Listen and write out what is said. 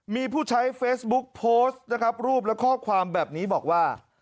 มีผู้ใช้เฟซบุ๊กโพสต์นะครับรูปและข้อความแบบนี้บอกว่า